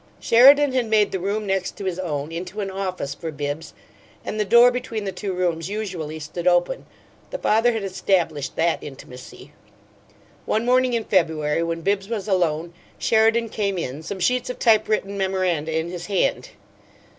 Sheridan had made the room next to his own into an office for Bibbs, and the door between the two rooms usually stood open the father had established that intimacy. One morning in February, when Bibbs was alone, Sheridan came in, some sheets of typewritten memoranda in his hand.